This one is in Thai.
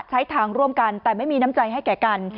ใช้ทางร่วมกันแต่ไม่มีน้ำใจให้แก่กัน